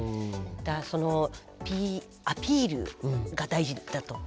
そのアピールが大事だと。